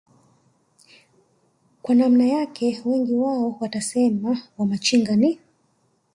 kwa namna yake wengi wao watasema wamachinga ni